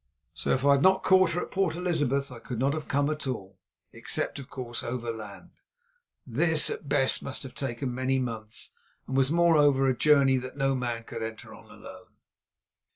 So if I had not caught her at Port Elizabeth I could not have come at all, except, of course, overland. This at best must have taken many months, and was moreover a journey that no man could enter on alone.